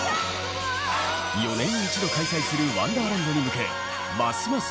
４年に一度開催するワンダーランドに向けますます